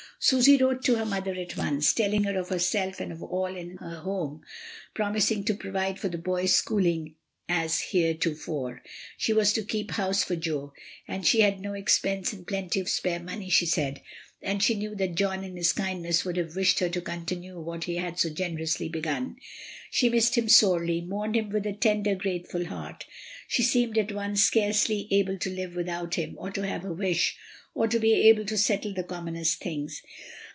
Susy wrote to her mother at once, telling her of herself and of all in her home, promising to provide for the boys' schooling as heretofore. She was to keep house for Jo, and she had no expense and plenty of spare money, she said, and she knew that John in his kindness would have wished her to continue what he had so generously begun. She missed him sorely, mourned him with a tender, grateful heart; she seemed at first scarcely able to live without him, or to have a wish, or to be able to settle the commonest things.